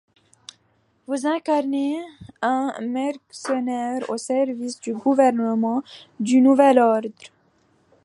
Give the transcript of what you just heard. Vous incarnez un mercenaire au service du Gouvernement du Nouvel Ordre.